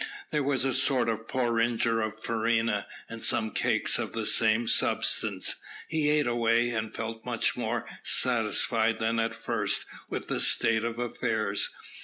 There was a sort of porringer of farina, and some cakes of the same substance. He ate away, and felt much more satisfied than at first with the state of affairs.